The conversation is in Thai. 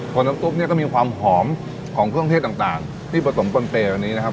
กลน้ำตุ๊บเนี้ยก็มีความหอมของเครื่องเทศต่างต่างที่ผสมกลเปลวันนี้นะครับ